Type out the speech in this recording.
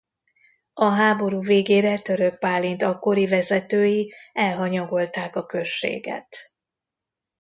A háború végére Törökbálint akkori vezetői elhanyagolták a községet.